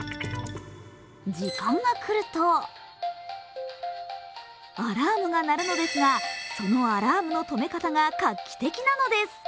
時間が来るとアラームが鳴るのですがそのアラームの止め方が画期的なのです。